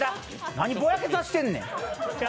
なに、ぼやけさしてんねん。